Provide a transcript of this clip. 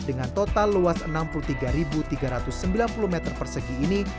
dengan total luas enam puluh tiga tiga ratus sembilan puluh meter persegi ini